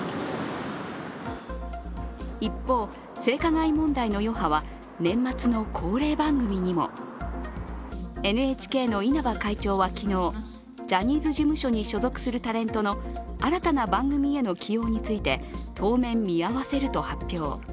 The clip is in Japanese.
一方、性加害問題の余波は年末の恒例番組にもＮＨＫの稲葉会長は昨日、ジャニーズ事務所に所属するタレントの新たな番組への起用について、当面見合わせると発表。